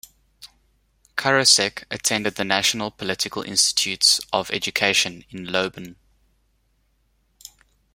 Karasek attended the National Political Institutes of Education in Loben.